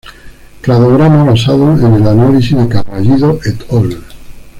Cladograma basado en el análisis de Carballido "et al.